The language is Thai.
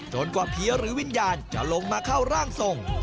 กว่าผีหรือวิญญาณจะลงมาเข้าร่างทรง